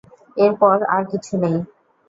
এর পর আর কিছু নেই।